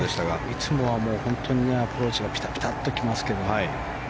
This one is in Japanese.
いつもは本当にアプローチがピタピタッと来ますけど。